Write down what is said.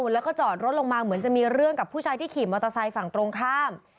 แล้วก็จอดรถลงมาเหมือนจะมีเรื่องกับผู้ชายที่ขี่มอเตอร์ไซค์ฝั่งตรงข้าม